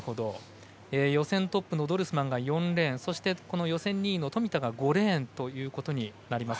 予選トップのドルスマンが４レーンそして予選２位の富田が５レーンとなります。